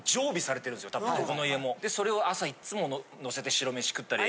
それを朝いっつものせて白飯食ったり。